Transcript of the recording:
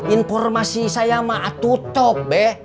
informasi saya mak atutok be